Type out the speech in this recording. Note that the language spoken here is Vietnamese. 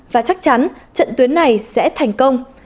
và chắc chắn trận tuyến này sẽ thành công